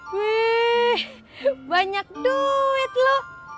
wih banyak duit lu